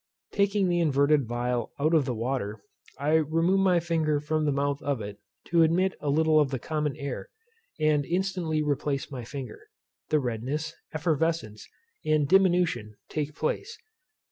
Taking the inverted phial out of the water, I remove my finger from the mouth of it, to admit a little of the common air, and instantly replace my finger. The redness, effervescence, and diminution take place.